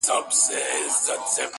د رنگونو په اورونو کي يې ساه ده~